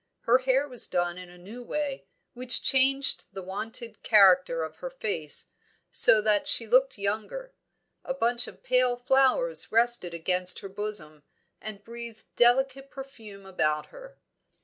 Her hair was done in a new way, which changed the wonted character of her face, so that she looked younger. A bunch of pale flowers rested against her bosom, and breathed delicate perfume about her.